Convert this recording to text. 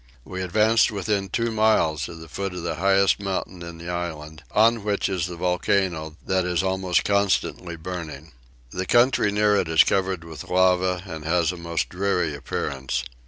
We advanced within two miles of the foot of the highest mountain in the island, on which is the volcano that is almost constantly burning. The country near it is covered with lava and has a most dreary appearance.